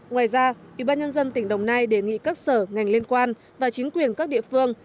ngoài ra ủy ban nhân dân tỉnh đồng nai đề nghị các sở ngành liên quan và chính quyền các địa phương